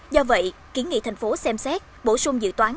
do vậy kiến nghị thành phố xem xét bổ sung dự toán